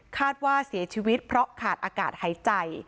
คาดว่าเสียชีวิตเพราะขาดอากาศหายใจ